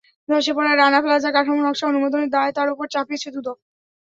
ধসে পড়া রানা প্লাজার কাঠামো নকশা অনুমোদনের দায় তাঁর ওপর চাপিয়েছে দুদক।